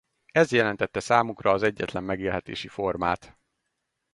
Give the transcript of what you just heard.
Ez jelentette számukra az egyetlen megélhetési formát.